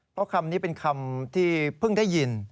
เพราะคำนี้เป็นคำที่เพิ่งได้ยิน